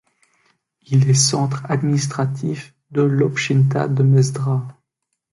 Il est centre administrative de l'Obchtina de Mezdra.